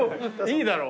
いいだろ？